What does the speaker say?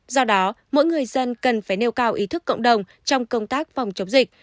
do đó mỗi người dân cần phải nêu cao ý thức cộng đồng trong công tác phòng chống dịch